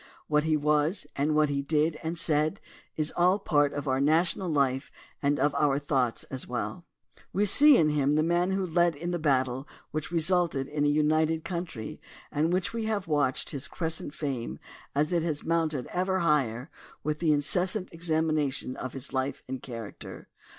What he was, and what he did and said, is all part of our national life and of our thoughts as well. We see in him the man who led in the battle which resulted in a united country and we have watched his crescent fame as it has mounted ever higher with the incessant examination of his life and character.